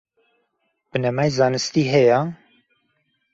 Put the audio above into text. بنەمای زانستی هەیە؟